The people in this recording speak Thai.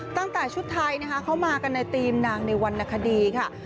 ตั้งแต่ชุดไทยนะคะเข้ามากันในธีมนางในวรรณคดีค่ะ